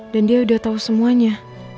dan dia udah tau semuanya